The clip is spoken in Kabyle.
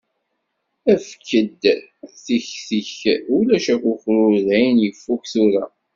Efk-d tiktik, ulac akukru dayen yeffuk tura.